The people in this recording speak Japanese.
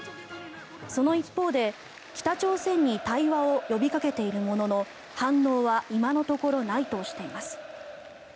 その一方で北朝鮮に対話を呼びかけているものの反応は今のところないとしています。